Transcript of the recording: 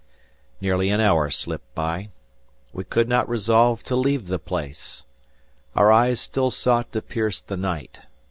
Nearly an hour slipped by. We could not resolve to leave the place. Our eyes still sought to pierce the night.